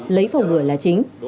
lấy phòng ngừa là chính